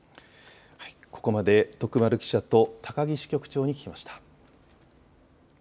ここまで徳丸記者と高木支局長に聞きました。